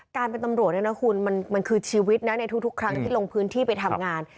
การเป็นตำรวจเนี่ยนะคุณมันคือชีวิตนะในทุกครั้งที่ลงพื้นที่ไปทำงาน